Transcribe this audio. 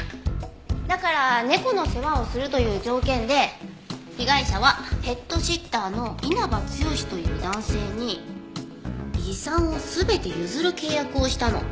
だから猫の世話をするという条件で被害者はペットシッターの稲葉剛という男性に遺産を全て譲る契約をしたの。